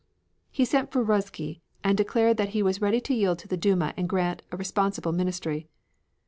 He sent for Ruzsky and declared that he was ready to yield to the Duma and grant a responsible ministry.